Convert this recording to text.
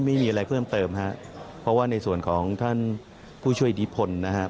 ไม่มีอะไรเพิ่มเติมฮะเพราะว่าในส่วนของท่านผู้ช่วยนิพนธ์นะครับ